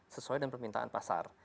sesuai dengan permintaan pasar